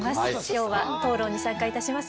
今日は討論に参加いたします。